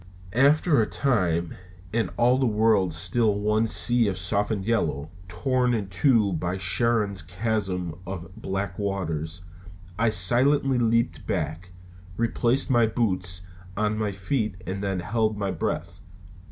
After a time and all the world still one sea of softened yellow, torn in two by Charon's chasm of black waters I silently leaped back, replaced my boots on my feet and then held my breath.